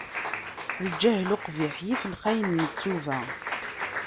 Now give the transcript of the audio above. Lǧahel uqbiḥ, yif lxayen n ttuba.